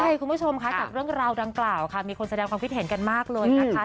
ใช่คุณผู้ชมค่ะจากเรื่องราวดังกล่าวค่ะมีคนแสดงความคิดเห็นกันมากเลยนะคะ